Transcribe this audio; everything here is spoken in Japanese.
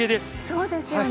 そうですよね。